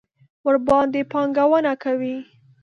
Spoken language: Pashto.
ورباندې پانګونه کوي.